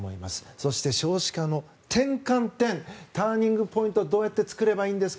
そして少子化の転換点ターニングポイントをどうやって作ればいいんですか。